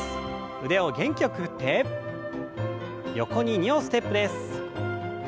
腕を元気よく振って横に２歩ステップです。